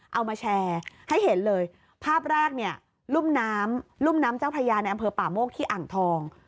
เอามาแชร์ให้เห็นเลยภาพแรกลุ่มน้ำเจ้าพญาในอำเภอป่ามกที่อ่างทอง